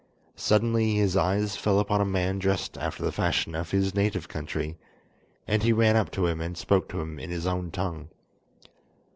Suddenly his eyes fell upon a man dressed after the fashion of his native country, and he ran up to him and spoke to him in his own tongue.